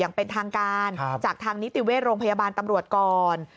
อย่างเป็นทางการจากทางนิติเวชโรงพยาบาลตำรวจก่อน